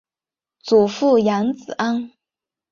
祖父杨子安。